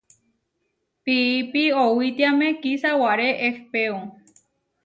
Piipi owítiame kisáware ehpéo.